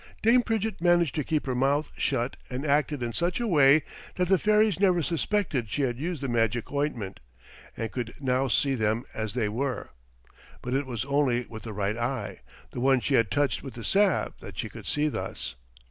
Dame Pridgett managed to keep her mouth shut and acted in such a way that the fairies never suspected she had used the magic ointment, and could now see them as they were. But it was only with the right eye, the one she had touched with the salve, that she could see thus.